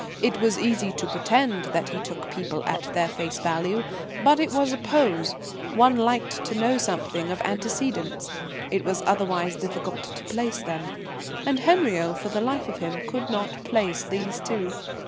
It was easy to pretend that he took people at their face value, but it was a pose; one liked to know something of antecedents. It was otherwise difficult to "place" them. And Henriot, for the life of him, could not "place" these two.